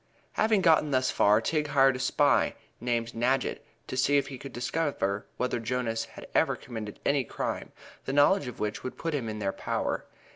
Having got thus far, Tigg hired a spy named Nadgett to see if he could discover whether Jonas had ever committed any crime, the knowledge of which would put him in their power.